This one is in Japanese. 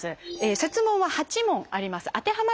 設問は８問あります。